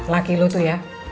laki lu tuh ya